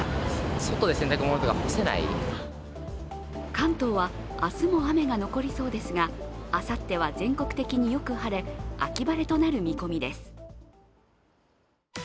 関東は明日も雨が残りそうですが、あさっては全国的によく晴れ秋晴れとなる見込みです。